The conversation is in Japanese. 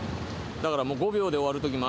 だから５秒で終わる時もあれば。